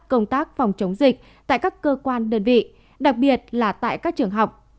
công tác phòng chống dịch tại các cơ quan đơn vị đặc biệt là tại các trường học